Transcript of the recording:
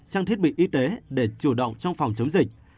trang thiết bị y tế để chủ động trong phòng chống dịch